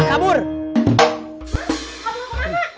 mak kabur kemana